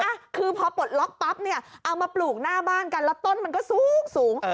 อ่ะคือพอปลดล็อกปั๊บเนี่ยเอามาปลูกหน้าบ้านกันแล้วต้นมันก็สูงสูง